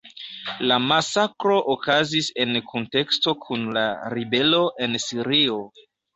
La masakro okazis en kunteksto kun la ribelo en Sirio.